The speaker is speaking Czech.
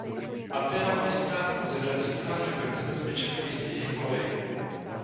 Anténa umístěná pod vozidlem snímá frekvence ze smyček umístěných v koleji.